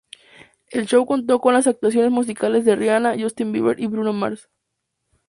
El show contó con las actuaciones musicales de Rihanna, Justin Bieber y Bruno Mars.